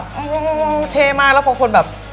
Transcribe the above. โอ้โหเท่มากแล้วบางคนแบบ